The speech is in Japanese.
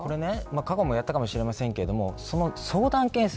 過去もやったかもしれませんが相談件数